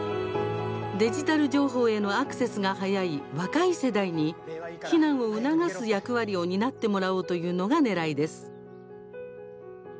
デジタル情報へのアクセスが早い若い世代に避難を促す役割を担ってもらおうというのがねらいです。